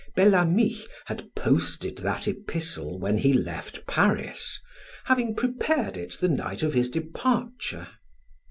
Bel Ami had posted that epistle when he left Paris, having prepared it the night of his departure.